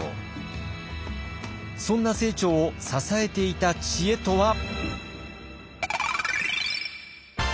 そんな清張を支えていた知恵とは？